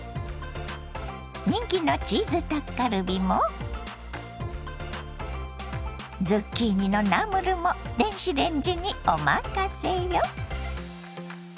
人気のチーズタッカルビもズッキーニのナムルも電子レンジにおまかせよ。